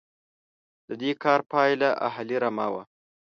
د دې کار پایله اهلي رمه وه.